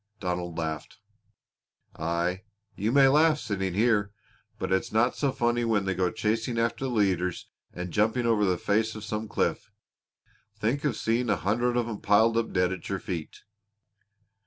Donald laughed. "Aye! You may well laugh, sitting here, but it's no so funny when they go chasing after the leaders and jumping over the face of some cliff. Think of seeing a hundred of 'em piled up dead at your feet!"